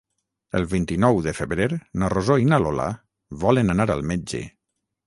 El vint-i-nou de febrer na Rosó i na Lola volen anar al metge.